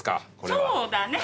そうだね。